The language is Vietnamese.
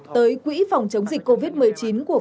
tới quỹ phòng chống dịch covid một mươi chín của bộ công an